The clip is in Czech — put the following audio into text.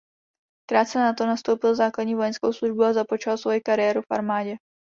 Krátce nato nastoupil základní vojenskou službu a započal svoji kariéru v armádě.